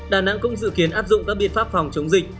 đà nẵng cũng dự kiến áp dụng các biện pháp phòng chống dịch